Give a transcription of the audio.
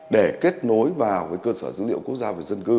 để kết nối vào với cơ sở dữ liệu quốc gia